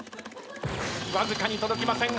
わずかに届きません。